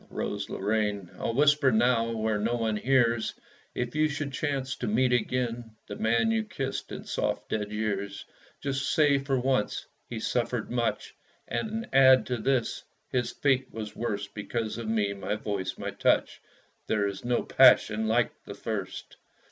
Rose Lorraine, I'll whisper now, where no one hears If you should chance to meet again The man you kissed in soft, dead years, Just say for once "He suffered much," And add to this "His fate was worst Because of me, my voice, my touch." There is no passion like the first!